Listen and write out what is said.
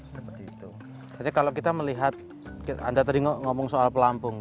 jadi kalau kita melihat anda tadi ngomong soal pelampung